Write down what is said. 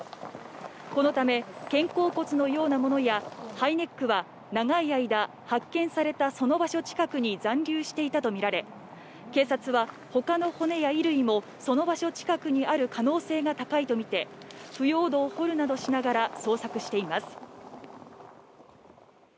このため、肩甲骨のようなものやハイネックは、長い間、発見されたその場所近くに残留していたとみられ、警察は、ほかの骨や衣類もその場所近くにある可能性が高いと見て、腐葉土を掘るなどしながら捜索しています。